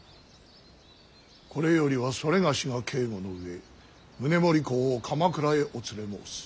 これよりは某が警固の上宗盛公を鎌倉へお連れ申す。